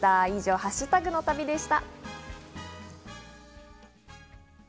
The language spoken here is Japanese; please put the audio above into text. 以上、ハッシュタグの旅でした。